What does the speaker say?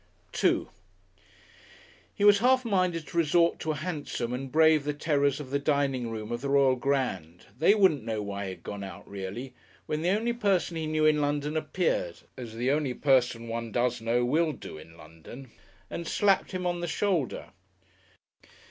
§2 He was half minded to resort to a hansom and brave the terrors of the dining room of the Royal Grand they wouldn't know why he had gone out really when the only person he knew in London appeared (as the only person one does know will do in London) and slapped him on the shoulder.